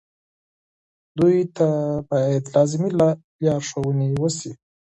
دوی ته باید لازمې لارښوونې وشي.